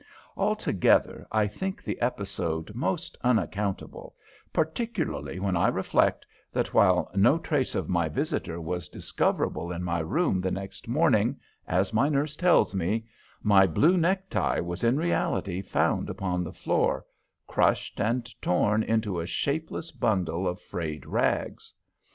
Altogether I think the episode most unaccountable, particularly when I reflect that while no trace of my visitor was discoverable in my room the next morning, as my nurse tells me, my blue necktie was in reality found upon the floor, crushed and torn into a shapeless bundle of frayed rags.